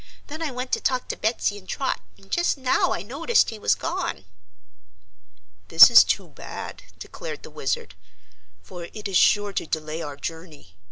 Then I went to talk to Betsy and Trot, and just now I noticed he was gone." "This is too bad," declared the Wizard, "for it is sure to delay our journey.